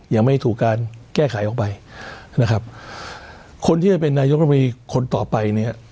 ยังไม่ถูกการแก้ไขออกไปนะครับคนที่จะเป็นนายกรรมรีคนต่อไปเนี่ย